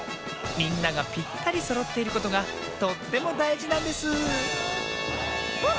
みんながぴったりそろっていることがとってもだいじなんですあ！